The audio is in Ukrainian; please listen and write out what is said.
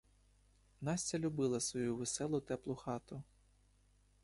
Настя любила свою веселу, теплу хату.